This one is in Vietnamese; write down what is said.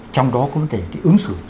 trong đó có thể ứng xử